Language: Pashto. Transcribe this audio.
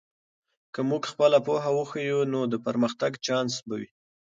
که موږ خپله پوهه وښیو، نو د پرمختګ چانس به وي.